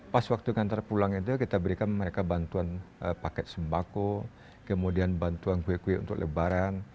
pas waktu ngantar pulang itu kita berikan mereka bantuan paket sembako kemudian bantuan kue kue untuk lebaran